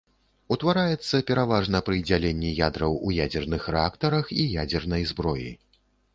Утвараецца пераважна пры дзяленні ядраў у ядзерных рэактарах і ядзернай зброі.